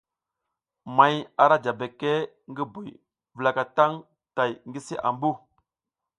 May ara ja beke ngi buy wulaka tang tay ngi si ambu.